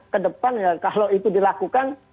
ke depan ya kalau itu dilakukan